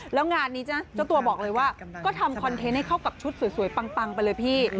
แล้วงานนี้เจ้าตัวบอกเลยว่าก็ทำคอนเทนต์ให้เข้ากับชุดสวยปังไปเลยพี่